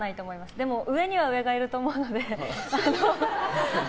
でも上には上がいると思うので。